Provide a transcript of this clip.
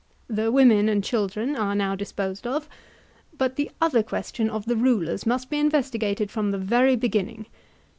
The women and children are now disposed of, but the other question of the rulers must be investigated from the very beginning.